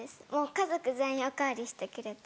家族全員お代わりしてくれて。